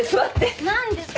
何ですか？